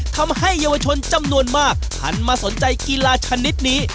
ทำให้เยาวชนจำนวนมากหันมาสนใจกีฬาชนิดนี้